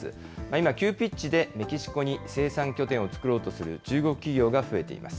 今、急ピッチでメキシコに生産拠点を作ろうとする中国企業が増えています。